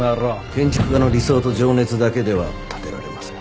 建築家の理想と情熱だけでは建てられません。